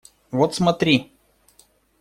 Вот смотри!